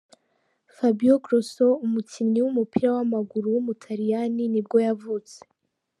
Fabio Grosso, umukinnyi w’umupira w’amaguru w’umutaliyani nibwo yavutse.